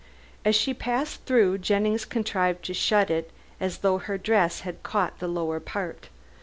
As she passed through Jennings contrived to shut it as though her dress had caught the lower part.